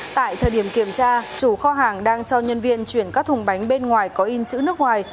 tại thời điểm kiểm tra chủ kho hàng đang cho nhân viên chuyển các thùng bánh bên ngoài có in chữ nước ngoài